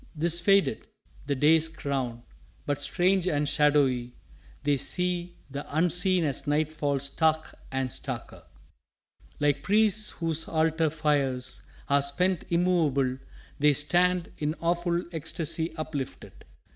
'Tis faded the day's crown; But strange and shadowy They see the Unseen as night falls stark and starker. Like priests whose altar fires Are spent, immovable They stand, in awful ecstasy uplifted.